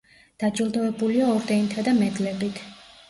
დაჯილდოებულია ორდენითა და მედლებით.